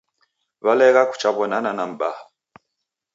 Walegha kuchaw'onana na mbaha.